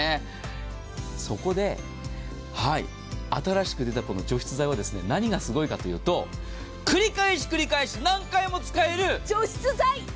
そこで新しく出たこの除湿剤は何がすごいかというと繰り返し繰り返し何回も使える。